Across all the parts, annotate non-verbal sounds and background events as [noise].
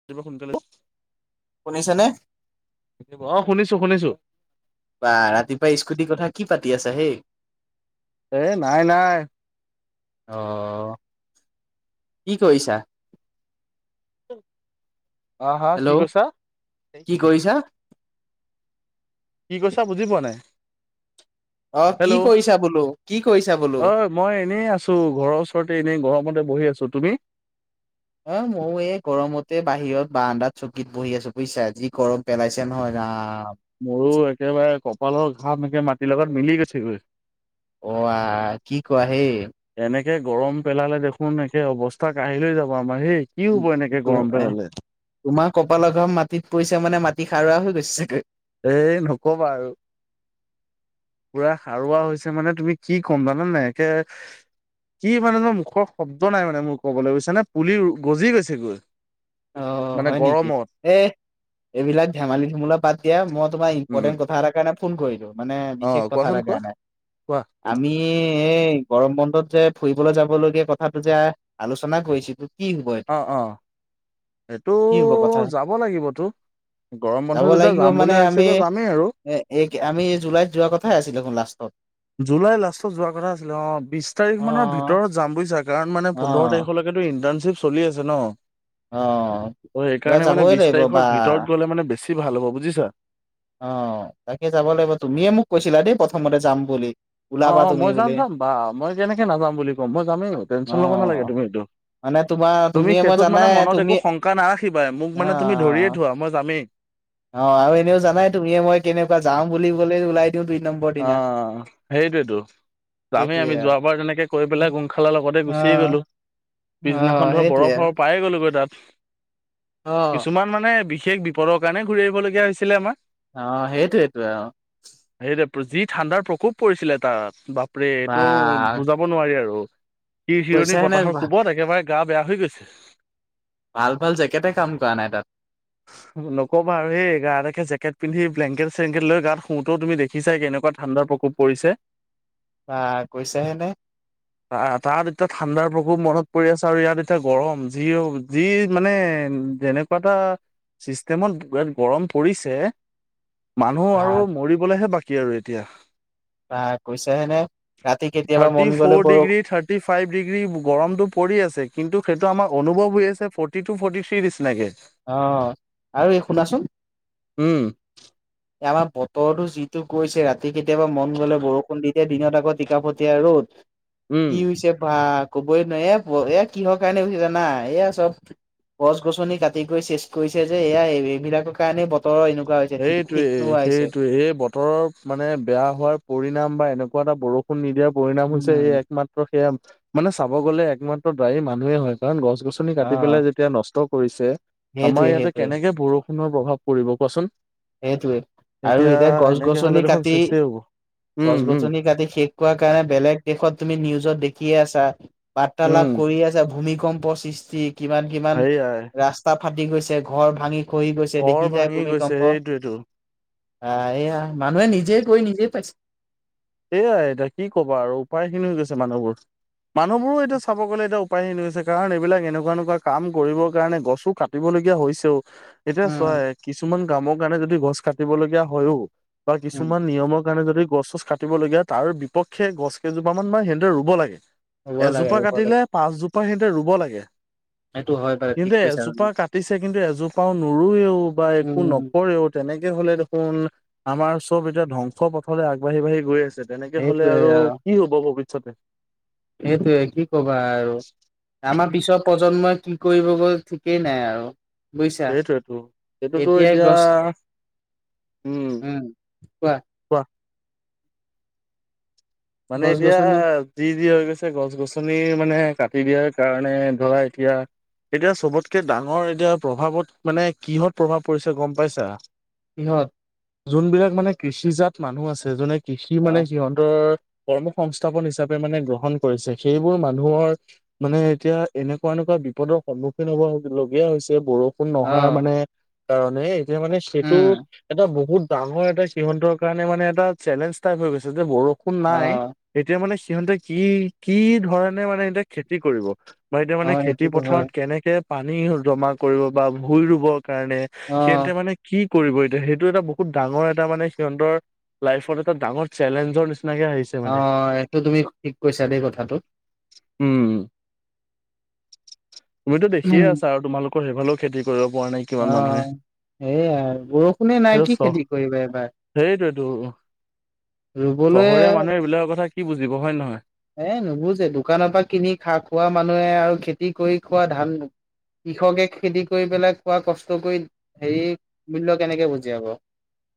আজি দেখোন সোনকালে শুনিছানে। অ শুনিছোঁ শুনিছোঁ। বা ৰাতিপুৱাই স্কুটিৰ কথা কি পাতি আছা হেই। এ নাই নাই। অহ কি কৰিছা? হা হা কি হেল্ল' কৈছা? কি কৰিছা কি কৈছা বুজি পোৱা নাই। অ কি হেল্ল' কৰিছা বোলোঁ? অ মই এনেই আছোঁ ঘৰৰ ওচৰতে এনেই গৰমতে বহি আছোঁ। তুমি? অ মইও এই গৰমতে বাহিৰত বাৰান্দাত চকীত বহি আছোঁ বুজিছা যি গৰম পেলাইছে নহয় ৰাম। মোৰো একেবাৰে কপালৰ ঘাম একে মাটিৰ লগত মিলি গৈছেগৈ। অ আ কি কোৱা হেই। এনেকে গৰম পেলালে দেখোন একে অৱস্থা কাঢ়িল লৈ যাব আমাৰ। হেই কি হ'ব এনেকে এ গৰম পেলালে তোমাৰ কপালৰ ঘাম মাটিত পৰিছে মানে মাটিত মাটি সাৰুৱা হৈ গৈছে চাগৈ। এই নকবা আৰু। পুৰা সাৰুৱা হৈছে মানে তুমি কি ক'ম জানানে একে কি মানে নো মুখৰ শব্দ নাই মানে মোৰ কবলৈ বুজিছানে পুলি গজি গৈছেগৈ। অ মানে হয় নেকি গৰমত এ এইবিলাক ধেমালি ধুমুলা বাদ দিয়া। মই তোমাৰ উম ইম্পৰ্টেন্ট কথা এটা কাৰণে ফোন কৰিলোঁ। মানে বিশেষ অ', কথা কোৱাচোন এটা কোৱা কাৰণে কোৱা আমি এই গৰম বন্ধত যে ফুৰিবলৈ যাবলগীয়া কথাটো যে আলোচনা কৰিছিলো কি হব এইটো। অ', অ', এইটো কি হব কথা যাব লাগিবতো। গৰম বন্ধ যাব যেতিয়া লাগিব যাম বুলি মানে ভাবিছোঁ আমি এতিয়া যামেই আৰু। এ এই আমি জুলাইত যোৱা কথাই আছিল দেখোন লাষ্টত। জুলাই লাষ্টত যোৱা কথা আছিলে অ বিচ তাৰিখ অ মানৰ ভিতৰত যাম বুজিছা কাৰণ মানে অ পোন্ধৰ তাৰিখলৈকে ইন্টাৰ্ণশ্বিপ চলি আছে ন। অ অ এইবাৰ সেইকাৰণে মানে যাবই বিচ লাগিব বা তাৰিখৰ ভিতৰত গ'লে মানে বেছি ভাল হ'ব বুজিছা। অহ, তাকে যাব লাগিব তুমিয়ে মোক কৈছিলা দেই প্ৰথমতে যাম বুলি। অহ ওলাবা - অহ তুমি মই বুলি যাম -যাম বা মই কেনেকৈ নাযাম বুলি ক'ম মই যামেই অ টেনশ্যন ল'ব নালাগে তুমি এইটো। মানে তোমাৰ [inaudible] তুমি তুমিয়ে মই সেইটোত মানে জানাই মনত তুমি একো শংকা নাৰাখিবাই মোক অ মানে তুমি ধৰিয়ে থোৱা মই যামেই। অ অ আৰু এনেও জানাই তুমিয়ে মই কেনেকুৱা যাওঁ বুলি কলে ওলাই দিওঁ দুই নম্বৰ দিনা আহ, সেইটোৱেতো। যামেই সেইটোয়ে আমি যোৱাবাৰ তেনেকে কৈ আৰু পেলাই গোমখালাৰ লগতে গুচিয়ে অ', গলোঁ। অ', পিছদিনাখন ধৰক সেইটোৱে বৰফ- বৰফ পাই গ'লোগৈ তাত। অ', কিছুমান মানে বিশেষ বিপদৰ কাৰণে ঘূৰি আহিবলগীয়া হৈছিলে আমাৰ। অহ, সেইটোৱেতো আও। সেইটোৱে যি ঠাণ্ডাৰ প্ৰকোপ পৰিছিলে তাত বাপৰে বা এইটো বুজাব নোৱাৰি আৰু। শিৰ- শিৰণি কৈছাহে নে বতাহৰ ভা কোবত একেবাৰে গা- বেয়া হৈ গৈছে। ভাল- ভাল জেকেটে কাম কৰা নাই তাত। নকবা আৰু সেই গা দেখে জেকেট পিন্ধি ব্লেংকেট -চেংকেট লৈ গাত শোওঁতেও তুমি দেখিছাই কেনেকুৱা ঠাণ্ডাৰ প্ৰকোপ পৰিছে। বাহ কৈছা হে নে। তাত এতিয়া ঠাণ্ডাৰ প্ৰকোপ মনত পৰি আছে আৰু ইয়াত এতিয়া গৰম যি -যি মানে যেনেকুৱা এটা চিষ্টেমত গৰম পৰিছে মানুহ বা আৰু মৰিবলেহে বাকী আৰু এতিয়া। বা কৈছাহে নে ৰাতি [inaudible] কেতিয়াবা থাৰ্টি মন গ'লে ফ'ৰ বৰষুণ ডিগ্ৰী থাৰ্টি- ফাইভ ডিগ্ৰী গৰম পৰি আছে কিন্তু সেইটো আমাৰ অনুভৱ হৈ আছে ফৰ্টি টু -ফৰ্টি থ্ৰী নিচিনাকে। অহ, আৰু এই শুনাচোন উম আমাৰ বতৰতো যিটো কৈছে ৰাতি কেতিয়াবা মন গ'লে বৰষুণ দি দিয়ে দিনত আকৌ অহ, টিকা ফতিয়া ৰ'দ উম কি হৈছে বা কবই নোৱাৰি এ- এয়া কিহৰ কাৰণে হৈছে জানা এইয়া চব গছ -গছনি কাটি গৈ চেচ কৰিছে যে এয়া এইবিলাকৰ কাৰণে বতৰৰ এনেকুৱা হৈছে ঠিক- ঠিক এ নোহোৱা হৈছে সেইটোৱে এই বতৰৰ মানে বেয়া হোৱাৰ পৰিণাম বা এনেকুৱা এটা বৰষুণ নিদিয়াৰ পৰিণাম হৈছে এই উম, একমাত্ৰ সেয়া মানে চাব গ'লে একমাত্ৰ দায়ী মানুহে হয় কাৰণ গছ গছ - গছনি কাটি অ, পেলাই যেতিয়া নষ্ট কৰিছে আমাৰ সেইটোৱে ইয়াতে সেইটোৱে কেনেকে বৰষুণৰ প্ৰভাৱ পৰিব কোৱাচোন? সেইটোৱে আৰু এতিয়া গছ এনেকে হলে -গছনি দেখোন কাটি চেচেই হ'ব উম গছ- উম গছনি কাটি শেষ কৰা কাৰণে বেলেগ দেশত তুমি নিউজত দে কিআছা উম বাৰ্তালাপ কৰি আছা ভূমিকম্প সৃষ্টি কিমান -কিমান সেয়াই ৰাস্তা ফাটি গৈছে ঘৰ ভাঙি খহি গৈছে ঘৰ দেখি যায় ভাঙি গৈছে ভূমিকম্প সেইটোৱেতো আহ, এইয়া মানুহে নিজে কৰি নিজেই পাইছে। এয়াই এতিয়া কি ক'ব আৰু উপায়হীন হৈ গৈছে মানুহবোৰ। মানুহবোৰো এতিয়া চাব গ'লে এতিয়া উপায়ন হৈছে কাৰণ এইবিলাক এনেকুৱা- এনেকুৱা কাম কৰিবৰ কাৰণে গছো কাটিবলগীয়া হৈছেও এতিয়া চোৱা উম, কিছুমান কামৰ কাৰণে যদি গছ কাটিব লগীয়া হয়ও বা উম, কিছুমান নিয়মৰ কাৰণে যদি গছ- চছ কা বলীয়া তাৰ বিপক্ষে গছ কেইজোপা মান বা সীহন্তে ৰুব লাগে ৰুব লাগে এজোপা ৰুব লাগে কাটিলে পাঁচজোপা [unintelligible] সিহঁতে ৰুব লাগে। সেইটো হয়। বাৰু কিন্তু ঠিক কৈছা তুমি। এজোপা কাটিছে কিন্তু এজোপাও নোৰোয়েও বা একো উম, নকৰেও তেনেকে হলে দেখোন আমাৰ চব এতিয়া ধ্বংস পথৰে আগবাঢ়ি -বাঢ়ি গৈ আছে। তেনেকে হলে সেইটোৱে আৰু কি হব ভৱিষ্যতে সেইটোয়ে কি কবা আৰু আমাৰ পিছৰ প্ৰজন্মই কি কৰিব গ'ল ঠিকেই নাই আৰু বুইছা সেইটোৱেতো সেইটোতো এতিয়াই এতিয়া গছ উম, কোৱা। মানে গছ এতিয়া গছনি যি- যি হৈ গৈছে গছ -গছনি মানে কাট কাটি দিয়াৰ কাৰণে ধৰা এতিয়া এতিয়া চবতকে ডাঙৰ এতিয়া প্ৰভাৱত মানে কিহত প্ৰভাৱ পৰিছে গম পাইছা কিহত যোনবিলাক মানে কৃষিজাত মানুহ আছে যোনে কৃষি মানে আহ সিহঁতৰ কৰ্ম সংস্থাপন হিচাপে মানে গ্ৰহণ কৰিছে সেইবোৰ মানুহৰ মানে এতিয়া এনেকুৱা বিপদৰ সন্মুখীন হ'বলগীয়া হৈছে বৰষুণ নহাৰ আহ মানে কাৰণে এতিয়া মানে সেইটো উম এটা বহুত ডাঙৰ এটা সিহতৰ কাৰণে মানে এটা চেলেঞ্জ টাইপ হৈ গৈছে যে বৰষুণ নাই আহ এতিয়া মানে সিহঁতে কি কি ধৰণে মানে এতিয়া খেতি কৰিব বা এতিয়া মানে আহ খেতি সেইটোতো হয় পথাৰত কেনেকে পানী জমা কৰিব বা ভুই ৰুবৰ কাৰণে আহ সিহঁতে মানে কি? কৰিব এতিয়া সেইটো এটা বহুত ডাঙৰ এটা মানে সিহঁতৰ লাইফত এটা ডাঙৰ চেলেঞ্জৰ নিচিনা আহ এইটো তুমি ঠিক কৈছা দেই কথাটো। উম। তুমিতো দেখিয়ে আছা আৰু তোমালোকৰ সেইফালেও খেতি কৰিব। পৰা নাই কিমান অ মানুহে সেই আৰু বৰষুণে নাই সেইটো কি চ খেতি কৰিবা এবাৰ সেইটোৱেতো চহৰীয়া মানুহে এইবিলাকৰ কথা কি বুজি এ নুবুজে দোকানৰ পৰা কিনি খা খোৱা মানুহে আৰু খেতি কৰি খোৱা ধান কৃষকে খেতি কৰি পেলাই কোৱা কষ্ট কৰি হেৰি মূল্য কেনেকে বুজিয়াব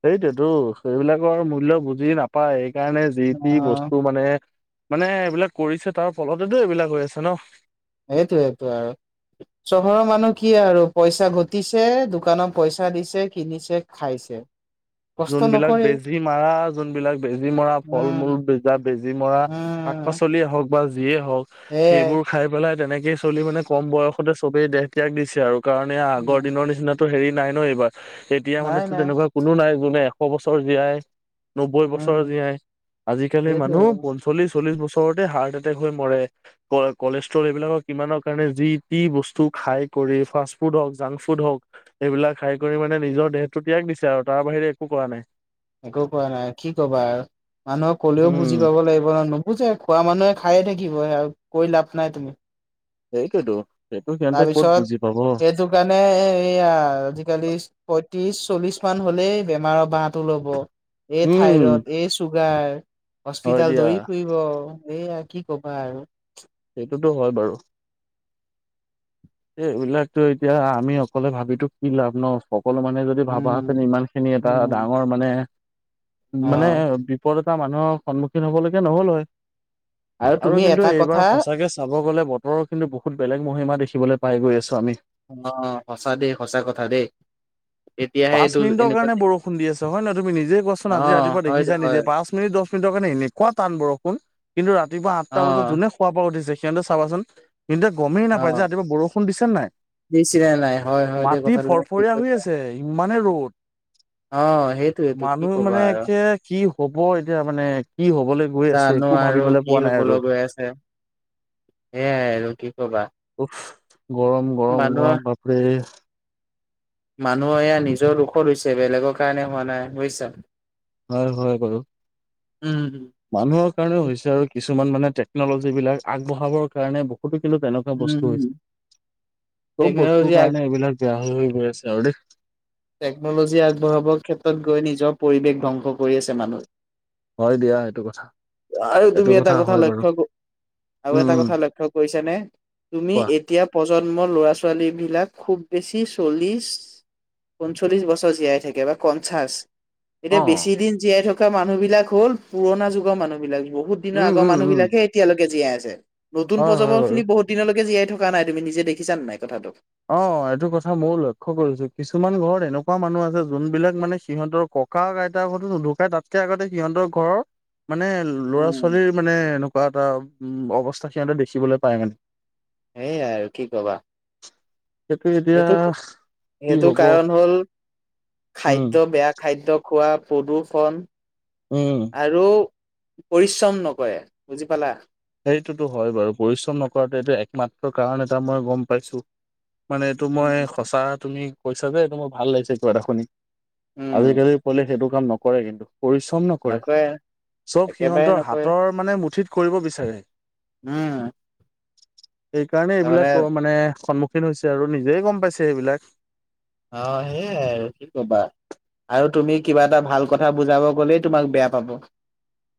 সেইটোতো সেইবিলাকৰ মূল্য বুজি নাপায়। সেইকাৰণে যি টি অ বস্তু মানে মানে এইবিলাক কৰিছে তাৰ ফলতেতো এইবিলাক হৈ আছে ন। সেইটো এ আৰু চহৰৰ মানুহ কি আৰু পইচা ঘটিছে দোকানত পইচা দিছে কিনিছে খাইছে। কষ্ট যোনবিলাক নকৰে বেজী মৰা যোনবিলাক বেজী মৰা ফল মূল উম বেজা বেজী মৰা উম পাচলিয়েই হওক বা যিয়ে হওক সেয়াই সেইবোৰ খাই পেলাই তেনেকেই চলি মানে কম বয়সতে চবেই দেহ ত্যাগ দিছে আৰু। কাৰণে আগৰ উম, দিনৰ নিচিনাতটো হেৰি নাই ন এইবাৰ এতিয়া মানে নাই নাই তেনেকুৱা কোনো নাই। মানে এশ বছৰ জীয়াই নবৈ বছৰ উম জীয়াই আজিকালিৰ সেইটোৱে মানুহ আৰু পঞ্চলিছ। চল্লিশ বছৰতে হাৰ্ট এটেক হৈ মৰে কলেষ্ট্ৰল এইবিলাকৰ কিমানৰ কাৰণে যি তি বস্তু। খাই কৰি ফাষ্ট ফুড হওঁক জাংক ফুড হওঁক এইবাক খাই কৰি মানে নিজৰ দেহতটো ত্যাগ দিছে আৰু তাৰ বাহিৰে। একো কোৱা নাই। একো কোৱা নাই কি কবা আৰু মানুহক কলেও উম, বুজি পাব লাগিব নো। বুজে খোৱা মানুহে খায়ে থাকিব কৈ লাভ নাই তুমি। সেইটো তো। তাৰপিছত সেইটো কাৰণে এ এয়া আজিকালি। ত্ৰিশ চল্লিশ মান হলেই বেমাৰৰ বাঁহটো ল'ব এই উম, থাইৰইড এই চুগাৰ। হয় হস্পিতাল দিয়া দৌৰি ফুৰিব এইয়া কি কবা আৰু। সটোতো হয় বাৰু। এই এইবিলাকতো এতিয়া আমি অকলে ভাবো কি লাভ ন। সকলো মানুহে যদি ভাবাহেতেন উম ইমান খিনি এটা উম ডাঙৰ মানে অ মানে বিপদত। এটা মানুহৰ সন্মুখীন হ'বলৈকে নহ'ল হয়। আৰু তুমি কিন্তু এটা এইবাৰ কথা সঁচাকে চাব গ'লে বতৰো কিন্তু বহুত বেলেগ মহিমা দেখিবলৈ। পাই গৈ আছো আমি। অ সঁচা দেই সঁচা কথা দেই। তেতিয়াহে পাঁচ এইটো মিনিট এনেকুৱা কাৰে বৰষুণ দি আছে হয় নহ তুমি নিজে কোৱাচোন অ আজি ৰাতিপুৱা হয় দে দেখছ হয় নিজে পাঁচ মিনিট দ। ৰ কাৰণে এনেকুৱা টান বৰষুণ কিন্তু ৰাপুৱা অ আটা বজাত যোনে খোৱা বোৱা উঠিছে সিহঁতে চাবাচোন। কিন্তু এ গমেই অ নাপায় যে ৰাতিপুৱা বৰষুণ দিছে নাই। দিছিলে নাই হয় হয় দেই মাটি কথাটো তুমি ঠিক ফৰফৰীয়া হৈ কৈছা আছে ইমানে ৰ'দ। অ সেইটোয়েটো কি মানুহ কবা মানে আৰু একে কি হ'ব এতিয়া মানে কি। হবলৈ গৈ আছে জানো একো আৰু ভাবিবলৈ কি পোৱা নাই আৰু হবলৈ গৈ আছে। এ আৰু কি কবা। উফ গৰম গৰম মানুহৰ গৰম বাপৰে। মানুহ এয়া নিজৰ দুখত হৈছে বেলেগৰ কাৰণে হোৱা নাই বুজিছা। হয় হয় বাৰু। উম। মানুহৰ কাৰণেও হৈছে আৰু কিছুমান মানে টেকনলজী বিলাক আগবঢ়াবৰ কাৰণে বহু। কিন্তু তেনেকুৱা বস্তু উম হৈছে চব টেকনলজি বস্তুৰ আগ কাৰণে এইবিলাক বেয়া হৈ হৈ গৈ আছে আৰু দেই। টেকনলজি আগবঢ়াবৰ ক্ষেত্ৰত গৈ নিজৰ পৰিৱেশ ধ্বংস কৰি আছে মানুহে। হয় দিয়া সেইটো কথা আৰু সেইটো তুমি এটা কথা হয় বাৰু লক্ষ্য ক আৰু উম এটা উম কথা লক্ষ্য কৰিছ নে? তুমি কোৱা এতিয়া প্ৰশ জন্ম ল'ৰা ছোৱালী বিলাক খুব বেছি চল্লিছ পঞ্চল্লিশ বছৰ জীয়াই থাকে বা পঞ্চাছ এতিয়া অ বেছি দিন জীয়াই থ মানুহ বিলাক হ'ল পুৰণা যুগৰ মানুহ বিলাক বহুত দিনৰ উম আগৰ উম মানুহ উম বিলাকহে এতিয়ালৈকে জীয়াই আছে। নতুন হয় হয় প্ৰজন্ম বাৰু খিনি বহুত দিনলৈকে জীয়াই থকা নাই তুমি নিজে দেখিছা নাই কথাটো। অ এইটো কথা ময়ও লক্ষ্য কৰিছো কিছুমান ঘৰত এনেকুৱা মানুহ আছে যোনবিলাক মানে সিহঁতৰ ক ককা আইতা ঘৰৰতটো নুধুকাই তাতকে আগতে সিহঁতৰ ঘৰৰ মানে ল'ৰা উম। ছোৱালীৰ মানে এনেকুৱা এটা উ অৱস্থা সিহঁতে দেখিবলৈ পায় মানে। সেই আৰু কি কবা। সেইটো কি সেইটো হব কাৰণ হ'ল। উম খাদ্য বেয়া খাদ্যয় খোৱা। প্ৰদূষন উম আৰু পৰিশ্ৰম নকৰে বুজি পালা। সেইটোতো হয় বাৰু পৰিশ্ৰম নকৰাটো এইটো একমাত্ৰ কাৰণ এটা মই গম পাইছো। মানে এইটো উম মই সঁচা তুমি কৈছা যে এইটো মোৰ ভাল লাগিছে কিবা এটা শুনি। উম, আজিকালি পলে সেইটো কাম নকৰে কিন্তু। পৰিশ্ৰম নকৰে চব একেবাৰে সিহঁতৰ নকৰে হাতৰ মানে মুঠিত কৰিব বিচাৰে। উম সেইকাৰণে তাৰমানে এইবিলাক মানে সন্মুখীন হৈছে আৰু নিজেই গম পাইছে এইবিলাক অ সেইয়াই আৰু কি কবা আৰু তুমি কিবা এটা ভাল কথা বুজাব গলেই তোমাক বেয়া পাব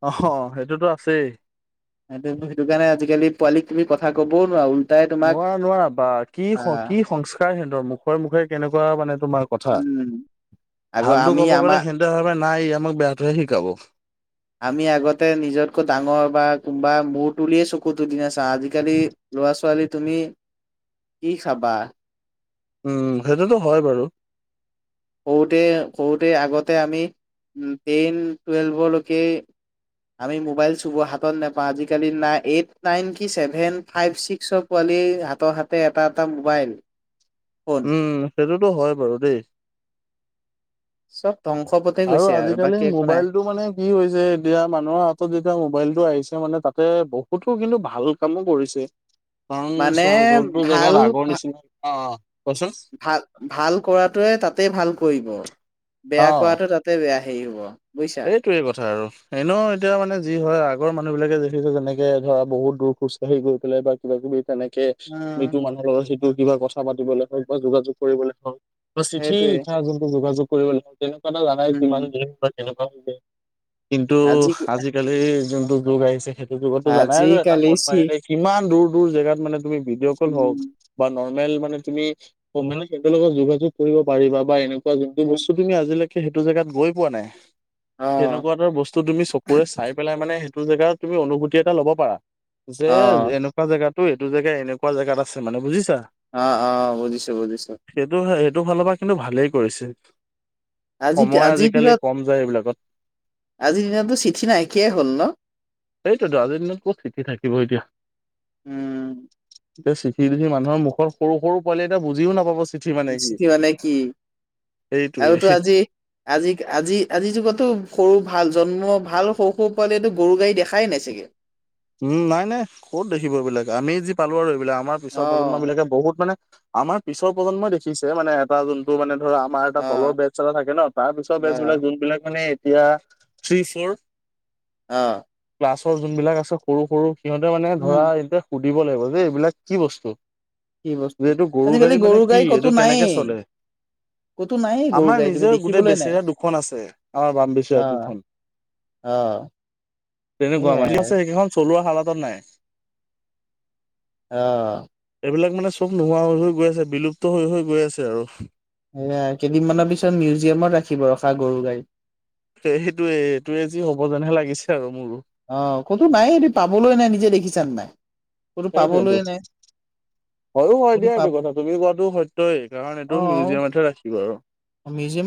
আহ সেইটোতো আছেই সেইটো কাৰণে আজিকালি পোৱালী তুমি কথা ক'বও নোৱাৰো। নোৱাৰ নোৱাৰা বা কি কি সংস্কাৰ সিহঁতৰ মুখৰে মুখে কেনেকুৱা মানে তোমাৰ কথা উম আগৰ ভালত আমি কব গ'লে আমাৰ সিহঁতে ভে নাই আমাক বেয়াটোহে শিকাব। আমি আগতে নিজতকৈ ডাঙৰ বা কোনোবা মূৰ তুলিয়েই চকু তুলি নাচাওঁ, আজিকালি ল'ৰা ছোৱালী তুমি কি খাবা উম সেইটোতো হয় বাৰু সৰুতে সৰুতে আগতে আমি উ টেইন টুৱেলভলৈকে আমি মবাইল চব হাতত নাপা আজালি নাই এই নাইন কিছেভেন ফাইভ চিক্ হাতৰ হাতে এটা এটা মোবাইল ফোন উম সেইটোতো হয় বাৰু দেই চব ধ্বংস পথে আৰু গৈছে আজিকালি বাকী একো নাই মোবাইলটো মানে কি হৈছে এতিয়া মানুহৰ হাতত যেতিয়া মোবাইলটো আহিছে মানে তাত তাতে বহুতো কিন্তু ভাল কামো কৰিছে ত মানে চ যত জেগাৰ ভাল আগৰ নিচিনা অ কোৱাচোন ভাল ভাল কৰাটোৱে তাতেই ভাল কৰিব বেয়া কৰাটোৱে তাতে ত বেয়া সেই হব বুজিছা। এইটোয়ে কথা আৰু এনেও এতিয়া মানে যি হয় আগ আগৰ মানুহবিলে দেখিছে যেনেকে ধৰা বহুদূৰ খোজকাঢ়ি গৈ পেলাই বা কিবা কিবি। তেনেকে উম মৃত্যু মানুহৰ লগত সেইটো কিবা কথা পাতিবলে হওক বা যোগাযোগ কৰিবলে হওক চিঠি সেইটোৱে। লিখা কোনটো যোগাযোগ কৰিব লাগিব তেনেকুৱা এটা জানাই উম কিমান দিন বা কেনেকুৱাে কিন্তু আজি আজিকালি যোনটো যুগ আহিছে। যুগতো জানাই যে এটা আজিকালি ফোন চি মাৰে কিমান দূৰ দূৰ জেগাত মানে তুমি ভিডিঅ' কল হওক উম বা নৰ্মেল মানে তুমি মানে স লগত যোগাযোগ কৰিব পাৰিবা বা এনেকুৱা যোনটো বস্তু তুমি আজিলে সেইটো জেগাত গৈ পোৱা নাই অ সেনেকুৱা এটা বস্তু তুমি চকুৰে চাই পেলাই মানে এইটো জেগাত তুমি অনুভূতি এটা ল'ব পাৰা যে অ এনেকুৱা জেগাত তো এইটো জোই এনেকুৱা জেগাত আছে মান বুজিছা আহ অ বুজিছো বুজিছো সটো ফালৰ পৰা কিন্তু ভালেই কৰিছে আজি সময় আজিৰ আজিকালি দিনত কম যায় এইবিলাকত আজিৰ দিনতো চিঠি নাইকিয়াই হ'ল ন সটোতো আজিৰ দিনত ক'ত চিঠি থাকিব এতিয়া উম এতি চিখি মানুহৰ মুখ সৰু সৰু পোৱালি এতিয়া বুজিও নাপাব চিঠি মানে কি। চিঠি মানে কি। সেইটোৱে আৰু তো আজি আজি আজি আজি যুগটো সৰু ভাল জন্ম ভাল সৰু সৰু পোৱালিতো গৰু গাড়ী দেখাই নাই চাগে উম নাই নাই ক'ত দেখিব এইবিলাক আমি যি পালো আৰু এইবিলাক আমাৰ অ পিছৰ প্ৰজন্ম বিলাকে বহুত মানে আমাৰ পিছৰ প্ৰজন্মই দেখিছে মানে এটা যোনটো মানে ধৰা আমাৰ এটা অ তলৰ বেটছ এটা থাকে ন তাৰ পিছৰ অ বেটছ বিলাক যোন বিলাক মানে এতিয়া থ্ৰী ফৌৰ আহ। পাছৰ যোনবিলাক আছে সৰু সৰু সিহঁতে মানে উম ধৰা এয়া সুধিব লাগিব যে এইবিলাক কি বস্তু কি বস্তু এইটো গৰু আজিকালি গাড়ী মানে কি গাই ক'তো এইটো কেনেকে নায়েই চলে। ক'তো নায়েই গৰু আমাৰ গাই তুমি নিজৰ গোটেই দেখিবলৈ নাই বেচেৰীয়া দুখন আছে আমাৰ বাম বেচৰা দুখন। আহ। তেনেকুৱা মানে, আছে সেইকেইখন চলোৱা হালাতত নাই। আহ এইবিলাক মানে চব নোহোৱা হৈ হৈ গৈ আছে, বিলুপ্ত হৈ হৈ গৈ আছে আৰু সয়া কেইদিনমানৰ পিছত মিউজিয়ামত ৰাখিব ৰখা গৰু গাড়ী। সেইটোয়ে, এইটোয়ে যি হ'ব যেনহে লাগিছে আৰু মোৰো। অ ক'তো নাই এইটো পাবলৈ নাই নিজে দেখিছ নাই, ক'তো সেইটোৱেটো পাবলৈ নাই। হয়ো হয় ক'তো দিয়া পাব এইটো কথা তুমি কোৱাটো সত্যই, কাৰণ এইটো মিউজিয়ামতহে ৰাখিবা আৰু। মিউজিয়ম